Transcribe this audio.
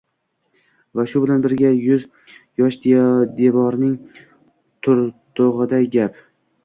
Va shu bilan birga, yuz yoshdevorning turtugʻiday gap